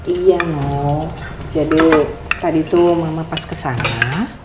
iya mo jadi tadi tuh mama pas ke sana